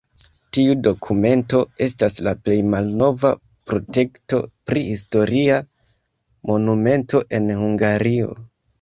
Tiu dokumento estas la plej malnova protekto pri historia monumento en Hungario.